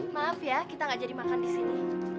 maaf ya kita gak jadi makan di sini